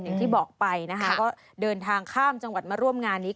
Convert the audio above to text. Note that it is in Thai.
อย่างที่บอกไปนะคะก็เดินทางข้ามจังหวัดมาร่วมงานนี้